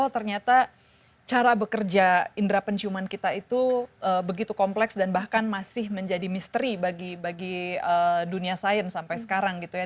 ternyata cara bekerja indera penciuman kita itu begitu kompleks dan bahkan masih menjadi misteri bagi dunia sains sampai sekarang gitu ya